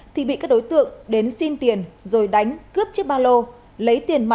thì bị các đối tượng đến xin tiền rồi đánh cướp chiếc ba lô lấy tiền mặt